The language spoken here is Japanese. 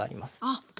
あっ。